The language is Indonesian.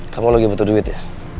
kamu lagi butuh duit ya